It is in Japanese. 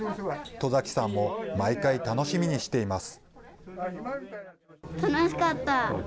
戸崎さんも毎回、楽しみにしています。